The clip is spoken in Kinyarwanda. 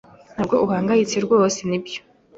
Ntabwo uhangayitse rwose, nibyo?